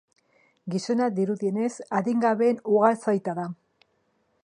Gizona, dirudienez, adingabeen ugazaita da.